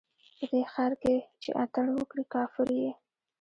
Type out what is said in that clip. په دې ښار کښې چې اتڼ وکړې، کافر يې